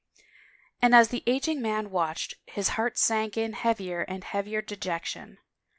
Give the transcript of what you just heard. And as the ageing man watched, his heart sank in heavier and heavier dejection.